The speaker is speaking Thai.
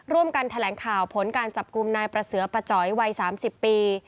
ร่วมกันแถลงข่าวผลการจับกลุ่มนายประเสือปะจ๋อยวัย๓๐ปี